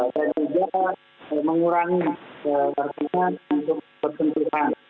dan juga mengurangi pertimbangan untuk persentuhan